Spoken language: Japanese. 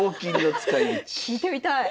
聞いてみたい。